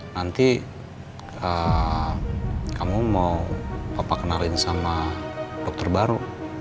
nanti kamu mau papa kenalin sama dokter baru